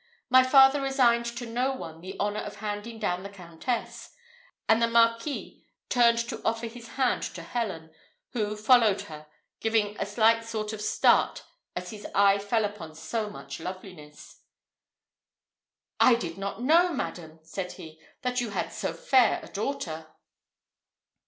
My father resigned to no one the honour of handing down the Countess; and the Marquis turned to offer his hand to Helen, who followed her, giving a slight sort of start as his eye fell upon so much loveliness. "I did not know, madam," said he, "that you had so fair a daughter."